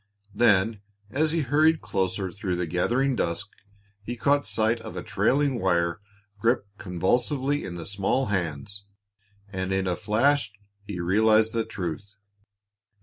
Then, as he hurried closer through the gathering dusk, he caught sight of a trailing wire gripped convulsively in the small hands, and in a flash he realized the truth.